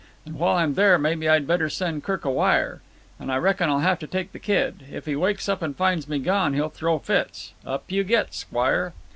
"And while I'm there maybe I'd better send Kirk a wire. And I reckon I'll have to take the kid. If he wakes up and finds me gone he'll throw fits. Up you get, squire."